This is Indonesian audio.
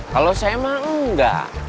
kalau saya mah enggak